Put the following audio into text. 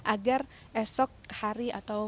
agar esok hari atau